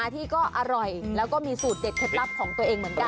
ที่ก็อร่อยแล้วก็มีสูตรเด็ดเคล็ดลับของตัวเองเหมือนกัน